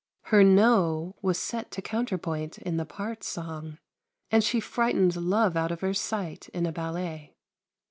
Her "No" was set to counterpoint in the part song, and she frightened Love out of her sight in a ballet.